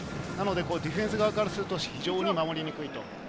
ディフェンス側からすると非常に守りにくい。